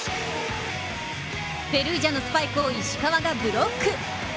ペルージャのスパイクを石川がブロック。